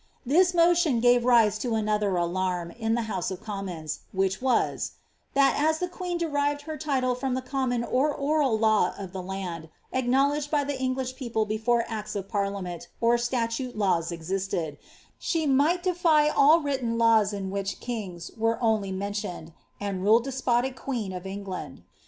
'' This motion gave riee to another alarm in the honee of *i^p«w^ which was, that as the queen derived her title from tho oomoMin or oml law of the land, acknowledged by the English people bdbre ads of parliament or statute^laws eziiSBd, siie might defy all written laws is which kings only were mentioned, and rule despotic queen of England.